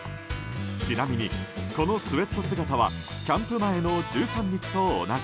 ちなみにこのスウェット姿はキャンプ前の１３日と同じ。